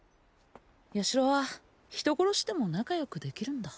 ヤシロは人殺しでも仲よくできるんだ